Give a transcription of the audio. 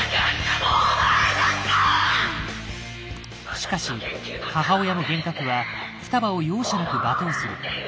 しかし母親の幻覚は双葉を容赦なく罵倒する。